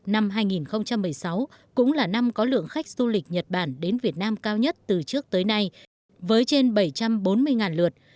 năm hai nghìn một mươi sáu cũng là năm có lượng khách du lịch nhật bản đến việt nam cao nhất từ trước tới nay với trên bảy trăm bốn mươi lượt